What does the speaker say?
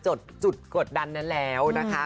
จดจุดกดดันได้แล้วนะคะ